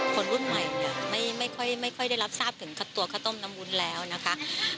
คนรุ่นใหม่ไม่ค่อยได้รับทราบถึงตัวข้าวต้มน้ำวุ้นแล้วนะคะ